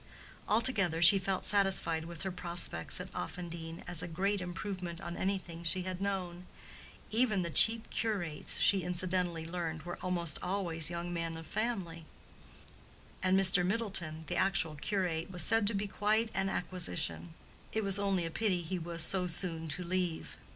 Altogether, she felt satisfied with her prospects at Offendene, as a great improvement on anything she had known. Even the cheap curates, she incidentally learned, were almost always young men of family, and Mr. Middleton, the actual curate, was said to be quite an acquisition: it was only a pity he was so soon to leave.